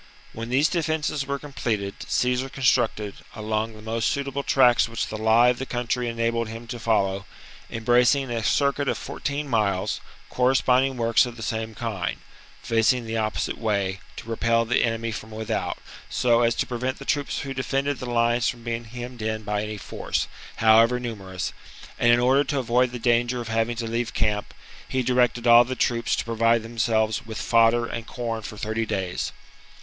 When these defences were completed, Caesar constructed, along the most suitable tracts which the lie of the country enabled him to follow, embracing a circuit of fourteen miles, corresponding works of the same kind, facing the opposite way, to repel the enemy from without, so as to prevent the troops who defended the lines from being hemmed in by any force, however numerous ; and, in order to avoid the danger of having to leave camp, he directed all the troops to provide themselves with fodder and corn for thirty days.